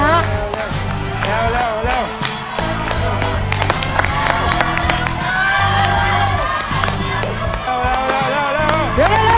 เร็วเร็วเร็ว